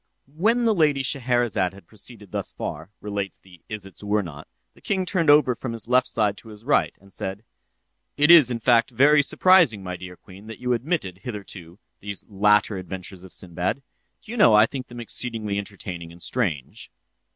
'" When the Lady Scheherazade had proceeded thus far, relates the "Isitsöornot," the king turned over from his left side to his right, and said: "It is, in fact, very surprising, my dear queen, that you omitted, hitherto, these latter adventures of Sinbad. Do you know I think them exceedingly entertaining and strange?"